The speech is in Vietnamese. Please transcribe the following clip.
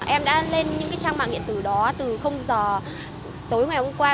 em đã lên những cái trang mạng điện tử đó từ giờ tối ngày hôm qua